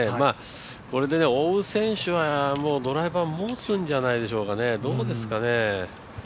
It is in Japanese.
これでね、追う選手はドライバー持つんじゃないでしょうかね。